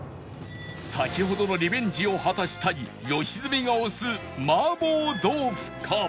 先ほどのリベンジを果たしたい良純が推す麻婆豆腐か